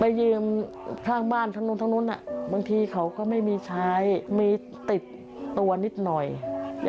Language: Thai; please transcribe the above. ยืมข้างบ้านทั้งนู้นทั้งนู้นบางทีเขาก็ไม่มีใช้มีติดตัวนิดหน่อย